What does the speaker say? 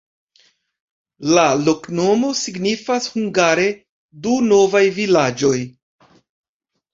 La loknomo signifas hungare: Du-novaj-vilaĝoj.